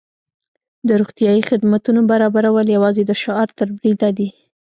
د روغتیايي خدمتونو برابرول یوازې د شعار تر بریده دي.